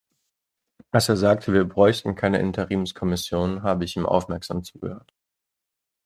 Als er sagte, wir bräuchten keine Interimskommission, habe ich ihm aufmerksam zugehört.